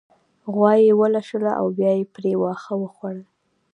غوا يې ولوشله او بيا يې پرې واښه وخوړل